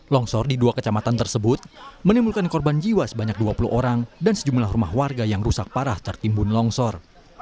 longsor di dua kecamatan tersebut menimbulkan korban jiwa sebanyak dua puluh orang dan sejumlah rumah warga yang rusak parah tertimbun longsor